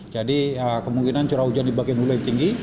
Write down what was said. jadi kemungkinan curah hujan di bagian ulu yang tinggi